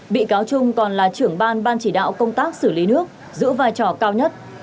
bị cáo trung còn là trưởng ban ban chỉ đạo công tác xử lý nước giữ vai trò cao nhất